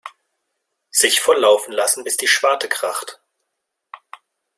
Sich volllaufen lassen bis die Schwarte kracht.